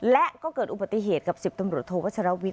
และก็เกิดอุบัติเหตุกับ๑๐ตำรวจโทวัชรวิทย